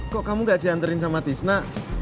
kok kamu gak diantarin sama tisna